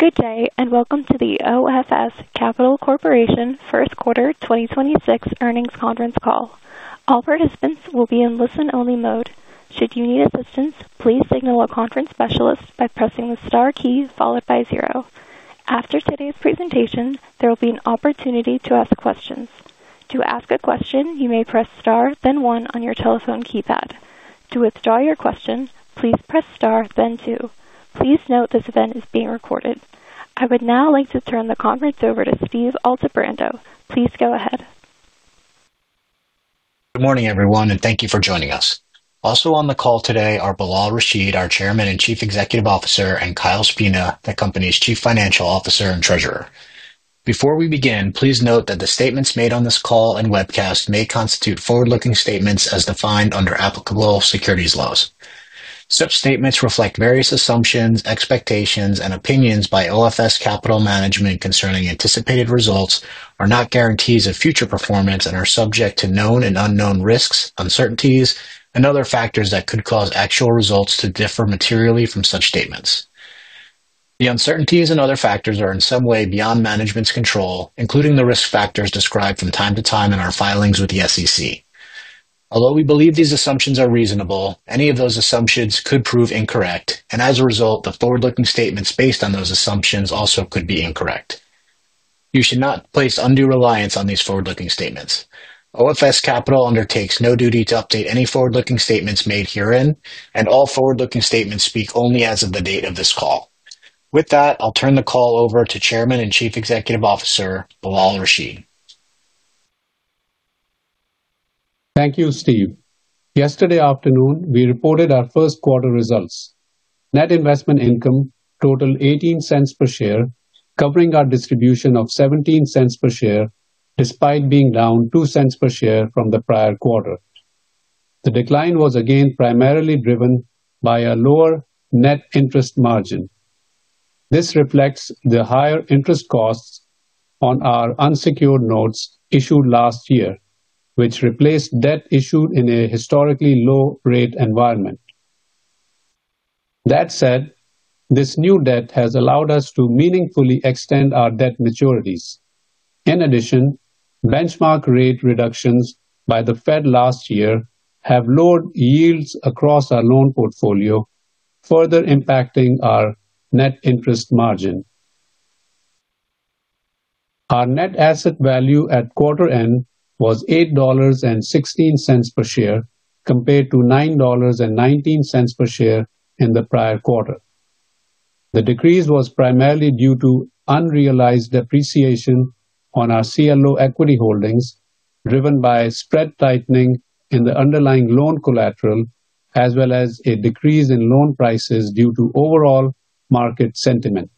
Good day, and welcome to the OFS Capital Corporation first quarter 2026 earnings conference call. All participants will be in listen-only mode. Should you need assistance, please signal a conference specialist by pressing the star key followed by zero. After today's presentation, there will be an opportunity to ask questions. To ask a question, you may press star then one on your telephone keypad. To withdraw your question, please press star then two. Please note this event is being recorded. I would now like to turn the conference over to Steve Altebrando. Please go ahead. Good morning, everyone, and thank you for joining us. Also on the call today are Bilal Rashid, our Chairman and Chief Executive Officer, and Kyle Spina, the company's Chief Financial Officer and Treasurer. Before we begin, please note that the statements made on this call and webcast may constitute forward-looking statements as defined under applicable securities laws. Such statements reflect various assumptions, expectations, and opinions by OFS Capital management concerning anticipated results are not guarantees of future performance and are subject to known and unknown risks, uncertainties, and other factors that could cause actual results to differ materially from such statements. The uncertainties and other factors are in some way beyond management's control, including the risk factors described from time to time in our filings with the SEC. Although we believe these assumptions are reasonable, any of those assumptions could prove incorrect, and as a result, the forward-looking statements based on those assumptions also could be incorrect. You should not place undue reliance on these forward-looking statements. OFS Capital undertakes no duty to update any forward-looking statements made herein, and all forward-looking statements speak only as of the date of this call. With that, I'll turn the call over to Chairman and Chief Executive Officer, Bilal Rashid. Thank you, Steve. Yesterday afternoon, we reported our first quarter results. Net investment income totaled $0.18 per share, covering our distribution of $0.17 per share, despite being down $0.02 per share from the prior quarter. The decline was again primarily driven by a lower net interest margin. This reflects the higher interest costs on our unsecured notes issued last year, which replaced debt issued in a historically low rate environment. That said, this new debt has allowed us to meaningfully extend our debt maturities. In addition, benchmark rate reductions by the Fed last year have lowered yields across our loan portfolio, further impacting our net interest margin. Our net asset value at quarter end was $8.16 per share, compared to $9.19 per share in the prior quarter. The decrease was primarily due to unrealized depreciation on our CLO equity holdings, driven by spread tightening in the underlying loan collateral, as well as a decrease in loan prices due to overall market sentiment.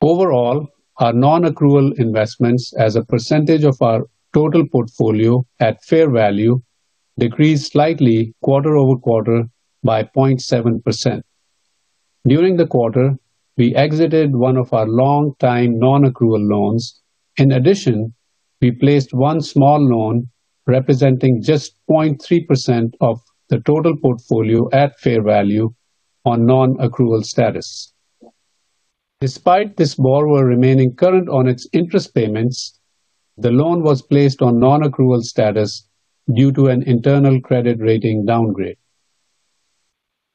Overall, our non-accrual investments as a percentage of our total portfolio at fair value decreased slightly quarter-over-quarter by 0.7%. During the quarter, we exited one of our longtime non-accrual loans. In addition, we placed one small loan representing just 0.3% of the total portfolio at fair value on non-accrual status. Despite this borrower remaining current on its interest payments, the loan was placed on non-accrual status due to an internal credit rating downgrade.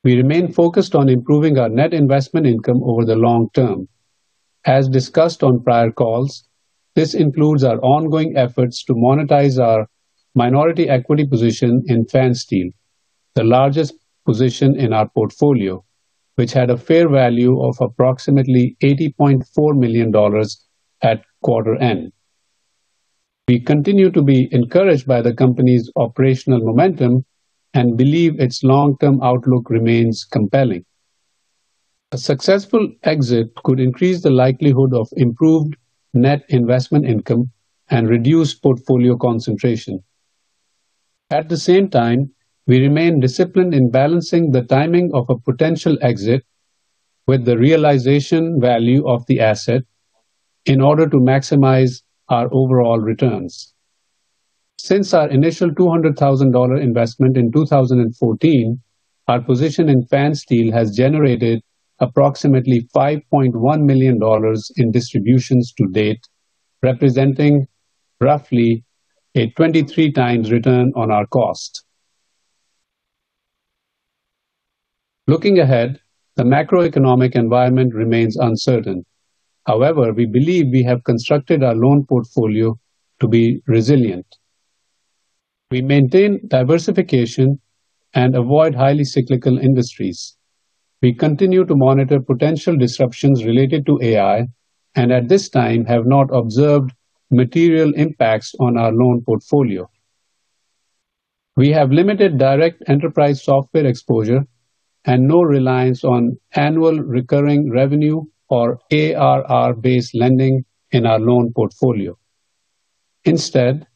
We remain focused on improving our net investment income over the long term. As discussed on prior calls, this includes our ongoing efforts to monetize our minority equity position in Fansteel, the largest position in our portfolio, which had a fair value of approximately $80.4 million at quarter-end. We continue to be encouraged by the company's operational momentum and believe its long-term outlook remains compelling. A successful exit could increase the likelihood of improved net investment income and reduce portfolio concentration. At the same time, we remain disciplined in balancing the timing of a potential exit with the realization value of the asset in order to maximize our overall returns. Since our initial $200,000 investment in 2014, our position in Fansteel has generated approximately $5.1 million in distributions to date, representing roughly a 23 times return on our cost. Looking ahead, the macroeconomic environment remains uncertain. However, we believe we have constructed our loan portfolio to be resilient. We maintain diversification and avoid highly cyclical industries. We continue to monitor potential disruptions related to AI and at this time have not observed material impacts on our loan portfolio. We have limited direct enterprise software exposure and no reliance on annual recurring revenue or ARR-based lending in our loan portfolio. Instead,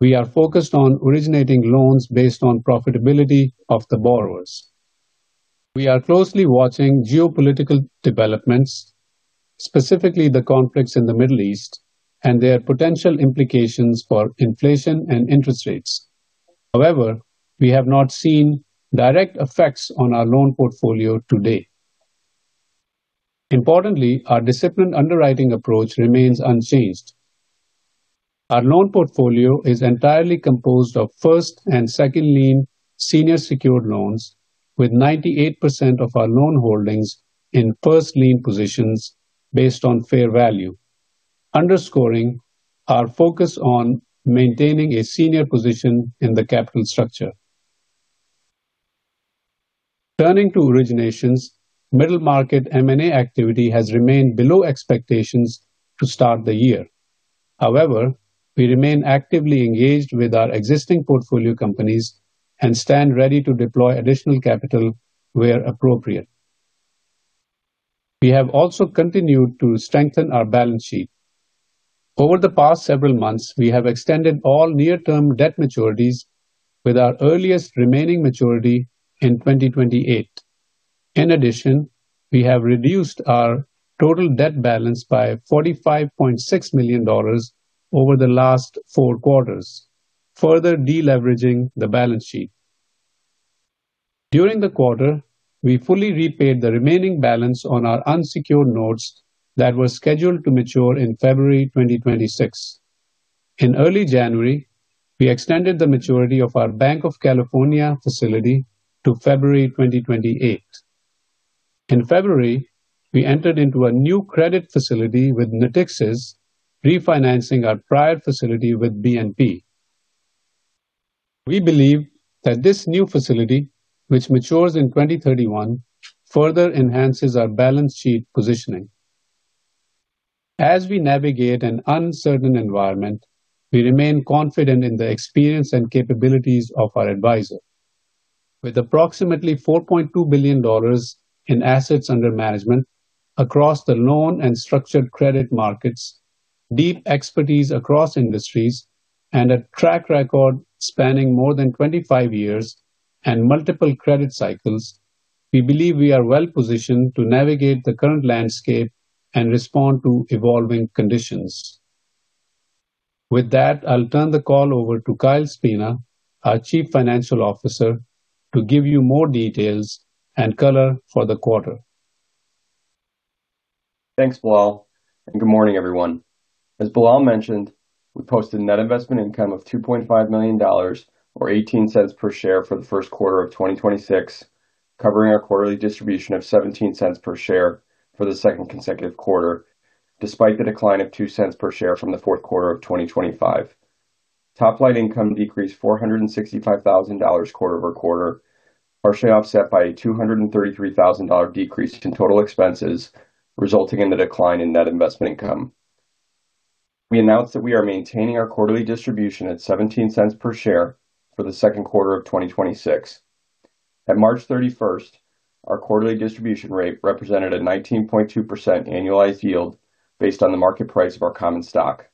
we are focused on originating loans based on profitability of the borrowers. We are closely watching geopolitical developments, specifically the conflicts in the Middle East and their potential implications for inflation and interest rates. However, we have not seen direct effects on our loan portfolio today. Importantly, our disciplined underwriting approach remains unchanged. Our loan portfolio is entirely composed of first and second lien senior secured loans with 98% of our loan holdings in first lien positions based on fair value, underscoring our focus on maintaining a senior position in the capital structure. Turning to originations, middle market M&A activity has remained below expectations to start the year. However, we remain actively engaged with our existing portfolio companies and stand ready to deploy additional capital where appropriate. We have also continued to strengthen our balance sheet. Over the past several months, we have extended all near-term debt maturities with our earliest remaining maturity in 2028. We have reduced our total debt balance by $45.6 million over the last four quarters, further de-leveraging the balance sheet. During the quarter, we fully repaid the remaining balance on our unsecured notes that were scheduled to mature in February 2026. In early January, we extended the maturity of our Banc of California facility to February 2028. In February, we entered into a new credit facility with Natixis, refinancing our prior facility with BNP. We believe that this new facility, which matures in 2031, further enhances our balance sheet positioning. As we navigate an uncertain environment, we remain confident in the experience and capabilities of our advisor. With approximately $4.2 billion in assets under management across the loan and structured credit markets, deep expertise across industries and a track record spanning more than 25 years and multiple credit cycles, we believe we are well-positioned to navigate the current landscape and respond to evolving conditions. With that, I'll turn the call over to Kyle Spina, our Chief Financial Officer, to give you more details and color for the quarter. Thanks, Bilal, and good morning, everyone. As Bilal mentioned, we posted net investment income of $2.5 million or $0.18 per share for the first quarter of 2026, covering our quarterly distribution of $0.17 per share for the second consecutive quarter, despite the decline of $0.02 per share from the fourth quarter of 2025. Top line income decreased $465,000 quarter-over-quarter, partially offset by a $233,000 decrease in total expenses, resulting in the decline in net investment income. We announced that we are maintaining our quarterly distribution at $0.17 per share for the second quarter of 2026. At March 31st, our quarterly distribution rate represented a 19.2% annualized yield based on the market price of our common stock.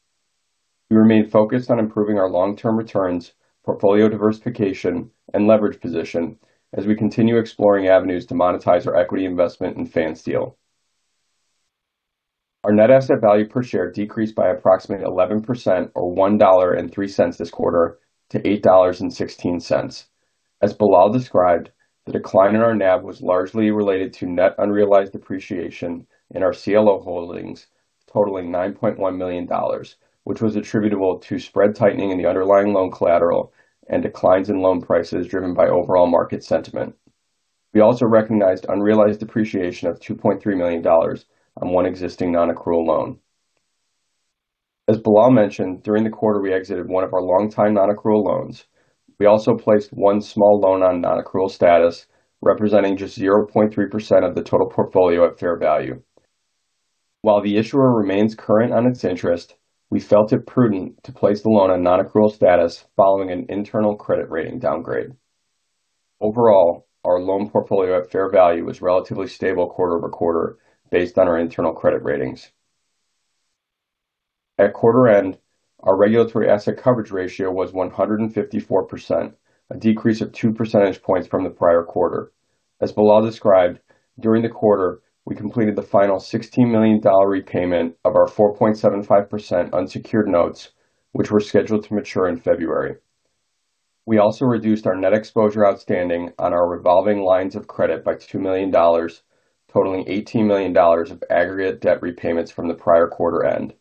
We remain focused on improving our long-term returns, portfolio diversification, and leverage position as we continue exploring avenues to monetize our equity investment in Fansteel. Our net asset value per share decreased by approximately 11% or $1.03 this quarter to $8.16. As Bilal described, the decline in our NAV was largely related to net unrealized appreciation in our CLO holdings, totaling $9.1 million, which was attributable to spread tightening in the underlying loan collateral and declines in loan prices driven by overall market sentiment. We also recognized unrealized appreciation of $2.3 million on one existing non-accrual loan. As Bilal mentioned, during the quarter, we exited one of our longtime non-accrual loans. We also placed one small loan on non-accrual status, representing just 0.3% of the total portfolio at fair value. While the issuer remains current on its interest, we felt it prudent to place the loan on non-accrual status following an internal credit rating downgrade. Overall, our loan portfolio at fair value was relatively stable quarter-over-quarter based on our internal credit ratings. At quarter end, our regulatory asset coverage ratio was 154%, a decrease of 2 percentage points from the prior quarter. As Bilal described, during the quarter, we completed the final $60 million repayment of our 4.75% unsecured notes, which were scheduled to mature in February. We also reduced our net exposure outstanding on our revolving lines of credit by $2 million, totaling $18 million of aggregate debt repayments from the prior quarter end.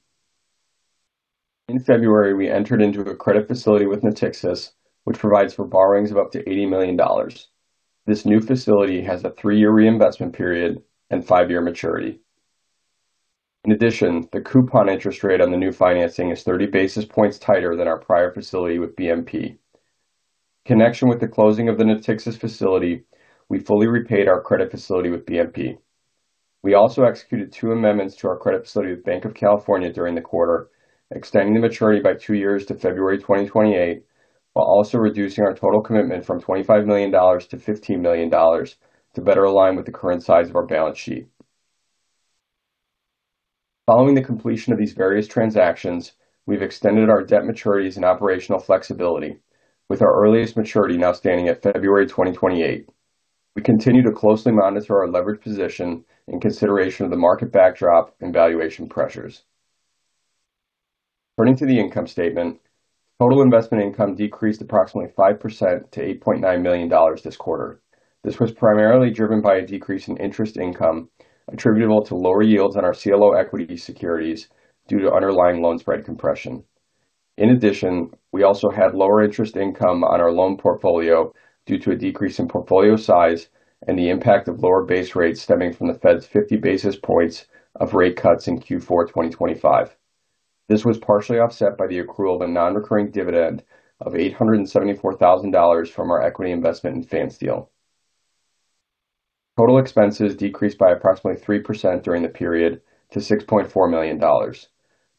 In February, we entered into a credit facility with Natixis, which provides for borrowings of up to $80 million. This new facility has a three-year reinvestment period and 5-year maturity. In addition, the coupon interest rate on the new financing is 30 basis points tighter than our prior facility with BNP. Connection with the closing of the Natixis facility, we fully repaid our credit facility with BNP. We also executed two amendments to our credit facility with Banc of California during the quarter, extending the maturity by two years to February 2028, while also reducing our total commitment from $25 million to $15 million to better align with the current size of our balance sheet. Following the completion of these various transactions, we've extended our debt maturities and operational flexibility with our earliest maturity now standing at February 2028. We continue to closely monitor our leverage position in consideration of the market backdrop and valuation pressures. Turning to the income statement, total investment income decreased approximately 5% to $8.9 million this quarter. This was primarily driven by a decrease in interest income attributable to lower yields on our CLO equity securities due to underlying loan spread compression. In addition, we also had lower interest income on our loan portfolio due to a decrease in portfolio size and the impact of lower base rates stemming from the Fed's 50 basis points of rate cuts in Q4 2025. This was partially offset by the accrual of a non-recurring dividend of $874,000 from our equity investment in Fansteel. Total expenses decreased by approximately 3% during the period to $6.4 million.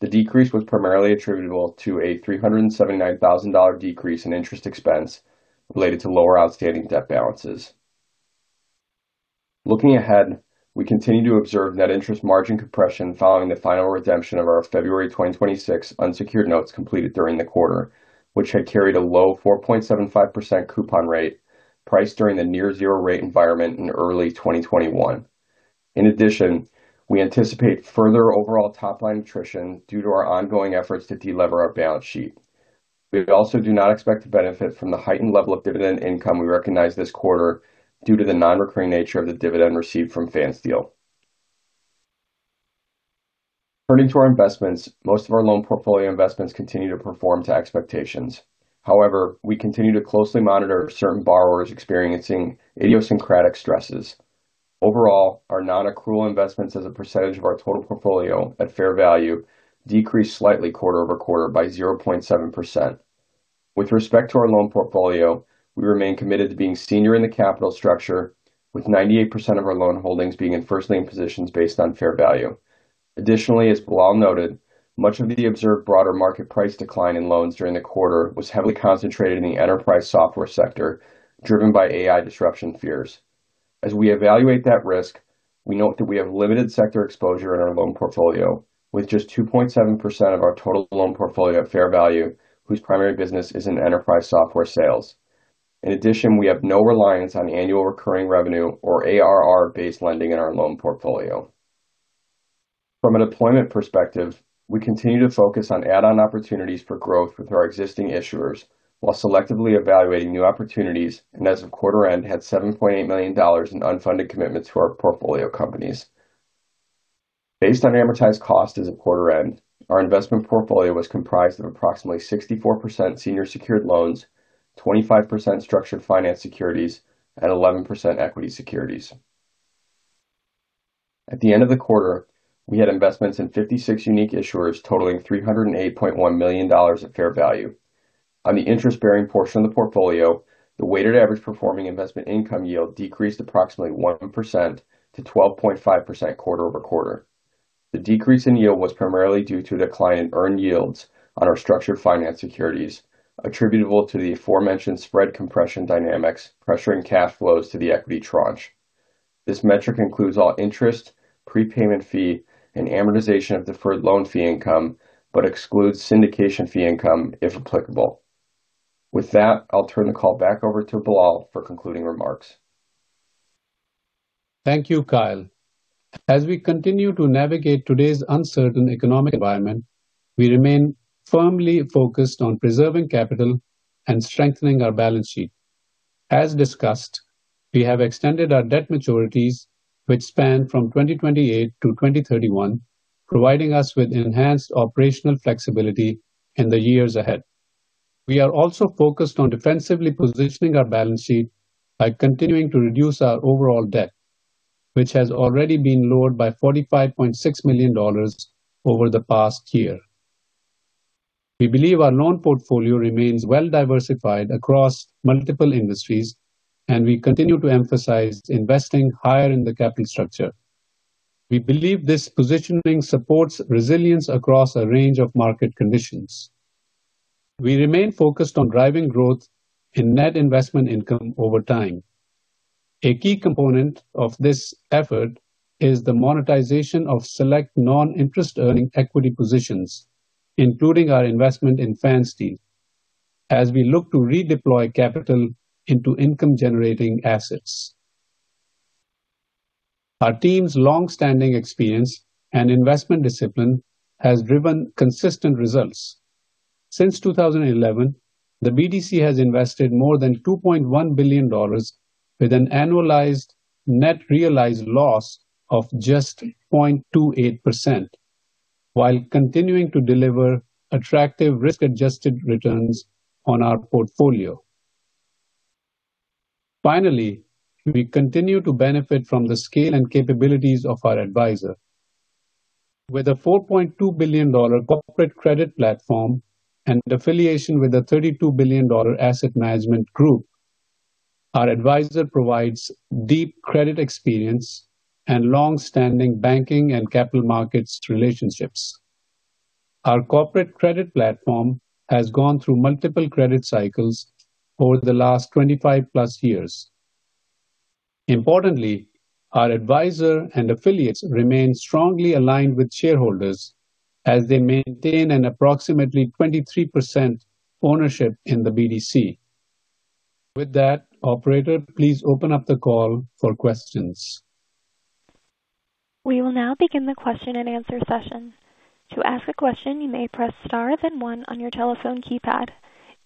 The decrease was primarily attributable to a $379,000 decrease in interest expense related to lower outstanding debt balances. Looking ahead, we continue to observe net interest margin compression following the final redemption of our February 2026 unsecured notes completed during the quarter, which had carried a low 4.75% coupon rate priced during the near zero rate environment in early 2021. In addition, we anticipate further overall top-line attrition due to our ongoing efforts to de-lever our balance sheet. We also do not expect to benefit from the heightened level of dividend income we recognize this quarter due to the non-recurring nature of the dividend received from Fansteel. According to our investments, most of our loan portfolio investments continue to perform to expectations. However, we continue to closely monitor certain borrowers experiencing idiosyncratic stresses. Overall, our non-accrual investments as a percentage of our total portfolio at fair value decreased slightly quarter-over-quarter by 0.7%. With respect to our loan portfolio, we remain committed to being senior in the capital structure with 98% of our loan holdings being in first lien positions based on fair value. Additionally, as Bilal noted, much of the observed broader market price decline in loans during the quarter was heavily concentrated in the enterprise software sector, driven by AI disruption fears. As we evaluate that risk, we note that we have limited sector exposure in our loan portfolio with just 2.7% of our total loan portfolio at fair value, whose primary business is in enterprise software sales. In addition, we have no reliance on annual recurring revenue or ARR-based lending in our loan portfolio. From a deployment perspective, we continue to focus on add-on opportunities for growth with our existing issuers while selectively evaluating new opportunities, and as of quarter end, had $7.8 million in unfunded commitments to our portfolio companies. Based on amortized cost as of quarter end, our investment portfolio was comprised of approximately 64% senior secured loans, 25% structured finance securities, and 11% equity securities. At the end of the quarter, we had investments in 56 unique issuers totaling $308.1 million at fair value. On the interest-bearing portion of the portfolio, the weighted average performing investment income yield decreased approximately 1% to 12.5% quarter-over-quarter. The decrease in yield was primarily due to the client earned yields on our structured finance securities attributable to the aforementioned spread compression dynamics pressuring cash flows to the equity tranche. This metric includes all interest, prepayment fee, and amortization of deferred loan fee income, but excludes syndication fee income if applicable. With that, I'll turn the call back over to Bilal for concluding remarks. Thank you, Kyle. As we continue to navigate today's uncertain economic environment, we remain firmly focused on preserving capital and strengthening our balance sheet. As discussed, we have extended our debt maturities which span from 2028 to 2031, providing us with enhanced operational flexibility in the years ahead. We are also focused on defensively positioning our balance sheet by continuing to reduce our overall debt, which has already been lowered by $45.6 million over the past year. We believe our loan portfolio remains well-diversified across multiple industries, and we continue to emphasize investing higher in the capital structure. We believe this positioning supports resilience across a range of market conditions. We remain focused on driving growth in net investment income over time. A key component of this effort is the monetization of select non-interest earning equity positions, including our investment in Fansteel Holdings, as we look to redeploy capital into income-generating assets. Our team's long-standing experience and investment discipline has driven consistent results. Since 2011, the BDC has invested more than $2.1 billion with an annualized net realized loss of just 0.28% while continuing to deliver attractive risk-adjusted returns on our portfolio. Finally, we continue to benefit from the scale and capabilities of our advisor. With a $4.2 billion corporate credit platform and affiliation with a $32 billion asset management group, our advisor provides deep credit experience and long-standing banking and capital markets relationships. Our corporate credit platform has gone through multiple credit cycles over the last 25+ years. Importantly, our advisor and affiliates remain strongly aligned with shareholders as they maintain an approximately 23% ownership in the BDC. With that, Operator, please open up the call for questions. We will now begin the question and answer session. To ask a question, you may press star then one on your telephone keypad.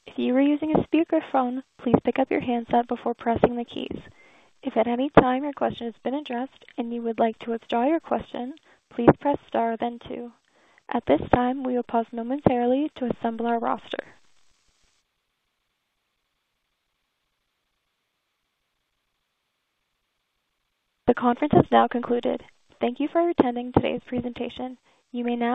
If you are using a speakerphone, please pick up your handset before pressing the keys. If at any time your question has been addressed and you would like to withdraw your question, please press star then two. At this time, we will pause momentarily to assemble our roster. The conference has now concluded. Thank you for attending today's presentation. You may now